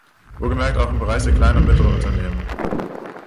Wohlgemerkt, auch im Bereich der kleinen und mittleren Unternehmen.